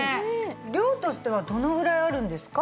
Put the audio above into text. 量としてはどのぐらいあるんですか？